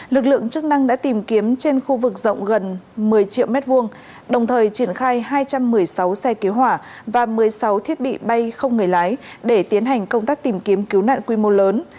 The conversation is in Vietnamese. lực lượng chức năng đã tìm kiếm trên khu vực rộng gần một mươi triệu m hai đồng thời triển khai hai trăm một mươi sáu xe cứu hỏa và một mươi sáu thiết bị bay không người lái để tiến hành công tác tìm kiếm cứu nạn quy mô lớn